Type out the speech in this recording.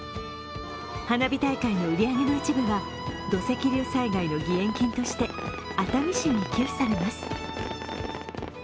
花火大会の売り上げの一部は土石流災害の義援金として熱海市に寄付されます。